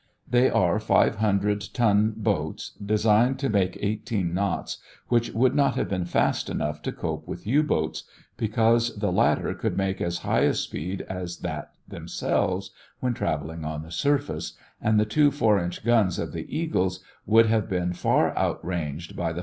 They are five hundred ton boats designed to make eighteen knots, which would not have been fast enough to cope with U boats, because the latter could make as high a speed as that themselves, when traveling on the surface, and the two 4 inch guns of the Eagles would have been far outranged by the 5.